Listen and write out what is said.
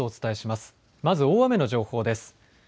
まず大雨の情報です。